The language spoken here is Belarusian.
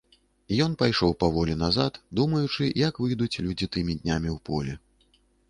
Ён пайшоў паволі назад, думаючы, як выйдуць людзі тымі днямі ў поле.